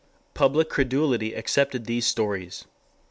_ "Public credulity accepted these stories.